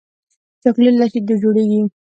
چاکلېټ له شیدو جوړېږي.